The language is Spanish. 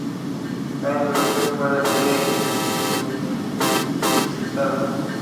Cyndi Lauper fue la estrella invitada.